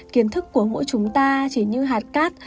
kiến thức của mỗi chúng ta chỉ như hạt cát